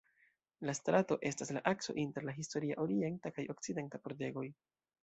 La strato estas la akso inter la historia orienta kaj okcidenta pordegoj.